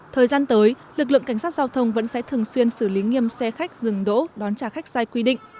thời gian tới lực lượng cảnh sát giao thông vẫn sẽ thường xuyên xử lý nghiêm xe khách dừng đỗ đón trả khách sai quy định